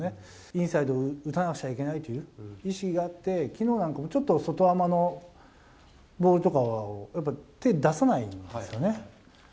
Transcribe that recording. インサイドを打たなくちゃいけないという意思があって、きのうなんかは、ちょっと外甘のボールとかをやっぱり、手出さないんですよね。